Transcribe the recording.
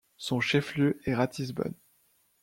Son chef lieu est Ratisbonne.